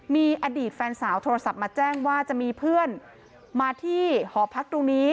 มีอดีตแฟนสาวโทรศัพท์มาแจ้งว่าจะมีเพื่อนมาที่หอพักตรงนี้